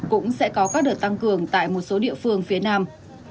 cũng sẽ có các đợt tăng cường tại một số địa phương phía nam